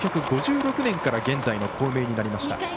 １９５６年から現在の校名になりました。